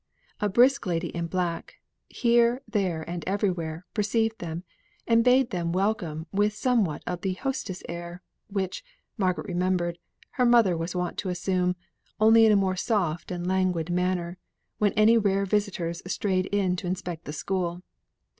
A brisk lady in black, here, there, and everywhere, perceived them, and bade them welcome with somewhat of the hostess air which, Margaret remembered, her mother was wont to assume, only in a more soft and languid manner, when any rare visitors strayed in to inspect the school.